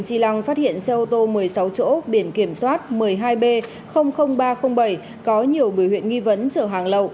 chi lăng phát hiện xe ô tô một mươi sáu chỗ biển kiểm soát một mươi hai b ba trăm linh bảy có nhiều biểu hiện nghi vấn chở hàng lậu